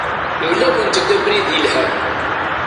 Nemla-awent-d abrid yelhan.